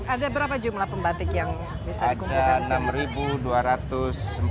ada berapa jumlah pembatik yang bisa dikumpulkan di sini